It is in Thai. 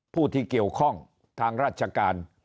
ผู้ที่เกี่ยวข้องทางราชการ